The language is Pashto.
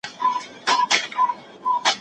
کوچني عادتونه په تکرار سره لویېږي.